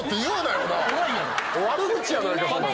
悪口やないか。